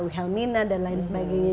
wilhelmina dan lain sebagainya